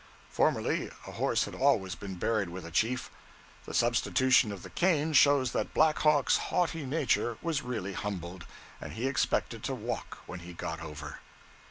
Formerly, a horse had always been buried with a chief. The substitution of the cane shows that Black Hawk's haughty nature was really humbled, and he expected to walk when he got over.